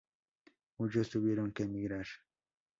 Muchos tuvieron que emigrar.